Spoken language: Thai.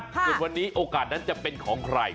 ส่วนวันนี้โอกาสนั้นจะเป็นของใคร